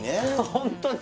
ホントに？